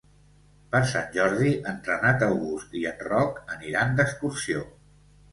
Per Sant Jordi en Renat August i en Roc aniran d'excursió.